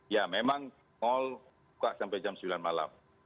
ya memang mal buka sampai jam sembilan malam